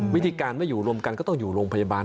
วิธีการไม่อยู่รวมกันก็ต้องอยู่โรงพยาบาล